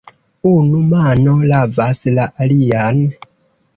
Unu mano lavas la alian.